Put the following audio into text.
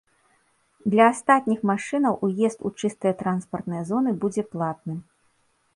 Для астатніх машынаў уезд у чыстыя транспартныя зоны будзе платны.